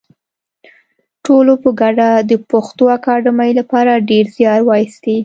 ټولو په ګډه د پښتو اکاډمۍ لپاره ډېر زیار وایستی